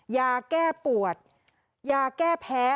ยาแก้ปวดยาแก้แพ้